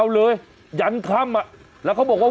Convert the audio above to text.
วันนี้จะเป็นวันนี้